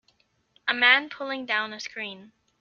A man pulling down a screen.